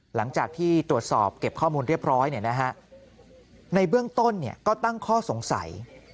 หลังจากที่ตรวจสอบเก็บข้อมูลเรียบร้อยในเบื้องต้นก็ตั้งข้อสงสัย